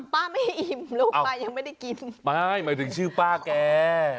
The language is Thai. ป้าไม่ให้อิ่มลูกป้ายังไม่ได้กินไม่หมายถึงชื่อป้าแก